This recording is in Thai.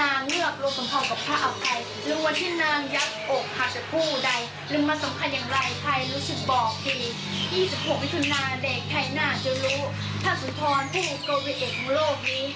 หรือว่าที่นางยักษ์โอกหาจัดคู่ใด